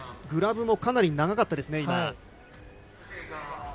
グラブもかなり長かったですね、今。